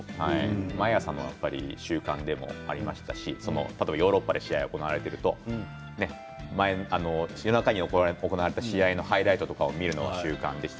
毎朝の習慣でしたしヨーロッパで試合が行われていると夜中に行われた試合のハイライトとかを見るのが習慣でした。